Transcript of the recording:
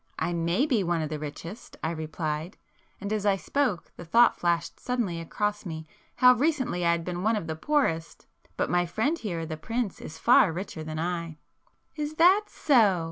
"I may be one of the richest,"—I replied, and as I spoke the thought flashed suddenly across me how recently I had been one of the poorest!—"But my friend here, the prince, is far richer than I." "Is that so!"